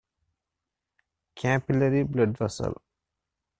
Capillary blood vessel.